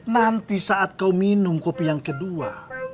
nanti saat kau minum kopi yang kedua